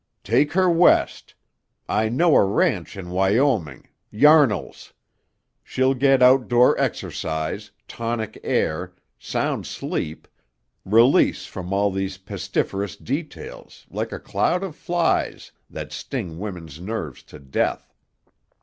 "Take her West. I know a ranch in Wyoming Yarnall's. She'll get outdoor exercise, tonic air, sound sleep, release from all these pestiferous details, like a cloud of flies, that sting women's nerves to death.